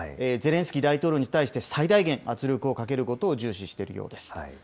ゼレンスキー大統領に対して、最大限圧力をかけることを重視しているようです。